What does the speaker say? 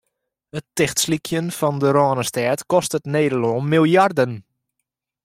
It tichtslykjen fan de Rânestêd kostet Nederlân miljarden.